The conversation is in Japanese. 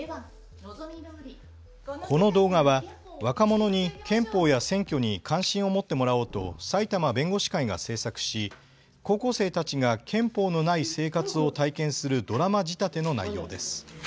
この動画は若者に憲法や選挙に関心を持ってもらおうと埼玉弁護士会が制作し、高校生たちが憲法のない生活を体験するドラマ仕立ての内容です。